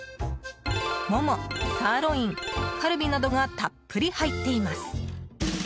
もも、サーロイン、カルビなどがたっぷり入っています。